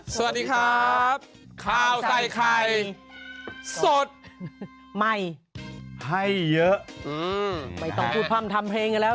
สวัสดีครับข้าวใส่ไข่สดใหม่ให้เยอะอืมไม่ต้องพูดพร่ำทำเพลงกันแล้ว